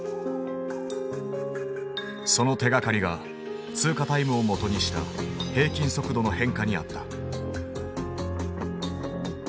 その手がかりが通過タイムを基にした平均速度の変化にあった。